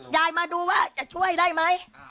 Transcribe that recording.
ยายมาดูว่าจะช่วยได้ไหม